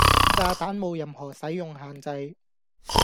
炸彈冇任何使用限制